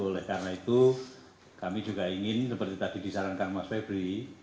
oleh karena itu kami juga ingin seperti tadi disarankan mas febri